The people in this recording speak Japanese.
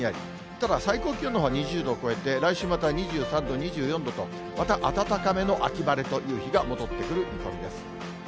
ただ、最高気温のほうは２０度を超えて、来週また２３度、２４度と、また暖かめの秋晴れという日が戻ってくる見込みです。